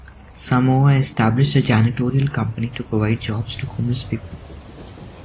Samoa established a janitorial company to provide jobs to homeless people.